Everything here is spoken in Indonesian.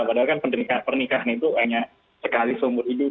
padahal kan pernikahan itu hanya sekali seumur hidup